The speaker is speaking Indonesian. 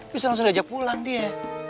bisa langsung ajak pulang dia